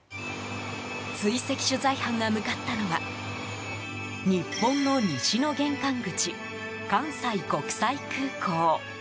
追跡取材班が向かったのは日本の西の玄関口関西国際空港。